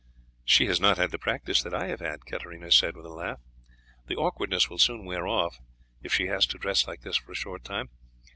"She has not had the practice that I have had," Katarina said with a laugh; "the awkwardness will soon wear off if she has to dress like this for a short time.